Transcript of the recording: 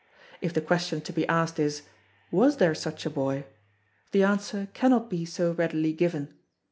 If the question to be asked is: "Was there such a boy?" the answer cannot be so readily given.